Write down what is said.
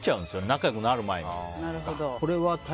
仲良くなる前に。